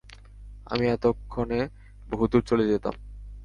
আমি এতক্ষনে বহুদুর চলে যেতাম।